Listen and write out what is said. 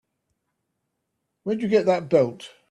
Where'd you get that belt?